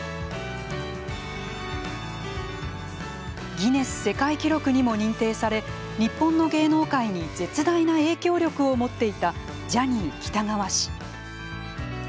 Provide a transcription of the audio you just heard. ギネス世界記録にも認定され日本の芸能界に絶大な影響力を持っていたジャニー喜多川氏。